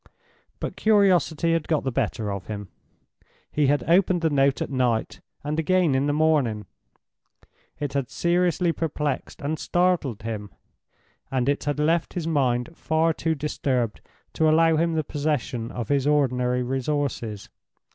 But curiosity had got the better of him; he had opened the note at night, and again in the morning; it had seriously perplexed and startled him; and it had left his mind far too disturbed to allow him the possession of his ordinary resources.